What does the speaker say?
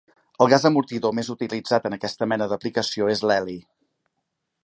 El gas amortidor més utilitzat en aquesta mena d'aplicació és l'heli.